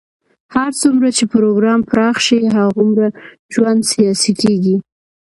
هر څومره چې پروګرام پراخ شي، هغومره ژوند سیاسي کېږي.